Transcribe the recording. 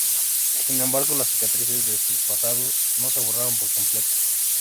Sin embargo, las cicatrices de su pasado no se borraron por completo.